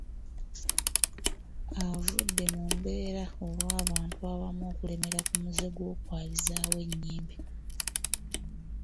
Avudde mu mbeera olw'abantu abamu okulemera ku muze gw'okwabizaawo ennyimbe